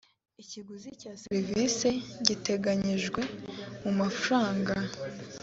ikiguzi cya serivisi giteganyijwe mu mafaranga